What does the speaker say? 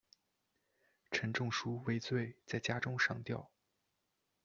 陈仲书畏罪在家中上吊。